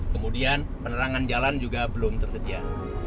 kemudian penerangan jalan juga belum tersedia